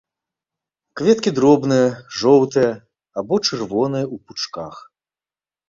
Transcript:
Кветкі дробныя, жоўтыя або чырвоныя ў пучках.